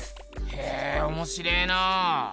へえおもしれえな。